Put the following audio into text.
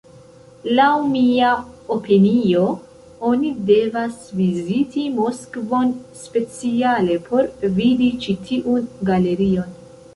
Laŭ mia opinio, oni devas viziti Moskvon speciale por vidi ĉi tiun galerion.